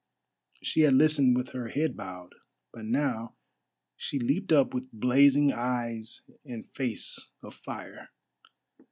She had listened with her head bowed, but now she leaped up with blazing eyes and face of fire.